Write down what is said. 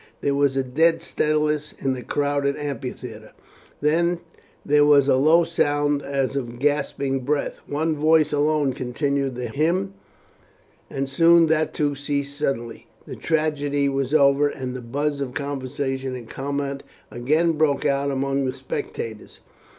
There was a dead stillness in the crowded amphitheatre, then there was a low sound as of gasping breath. One voice alone continued the hymn, and soon that too ceased suddenly. The tragedy was over, and the buzz of conversation and comment again broke out among the spectators.